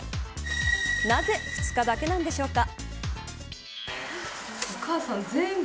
なぜ２日だけなんでしょうか。